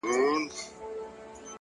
هره تجربه د ځان پېژندنې هنداره ده’